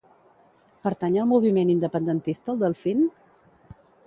Pertany al moviment independentista el Delfin?